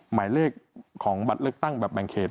หมายเลขของบัตรเลือกตั้งแบบแบ่งเขต